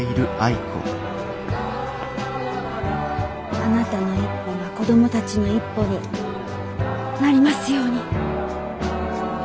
あなたの一歩が子供たちの一歩になりますように。